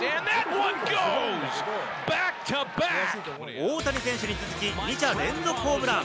大谷選手に続き２者連続ホームラン。